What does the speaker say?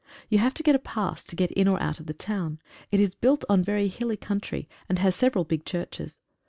You have to get a pass to get in or out of the town. It is built on very hilly coun try, and has several big churches.